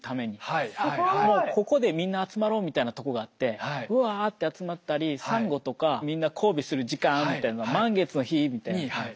ここでみんな集まろうみたいなとこがあってうわって集まったりサンゴとかみんな交尾する時間みたいなのが満月の日みたいに。